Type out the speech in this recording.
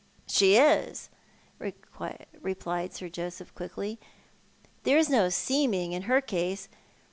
''" She is," replied Sir Joseph, quickly. " There is no seeming in her case.